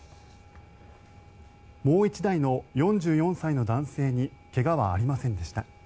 もう１台の４４歳の男性に怪我はありませんでした。